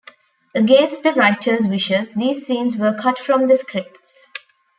Against the writer's wishes, these scenes were cut from the scripts.